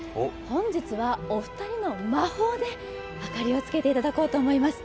本日は、お二人の魔法で明かりを付けていただこうと思います。